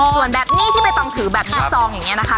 ส่วนแบบนี้ที่ใบตองถือแบบนี้ซองอย่างนี้นะคะ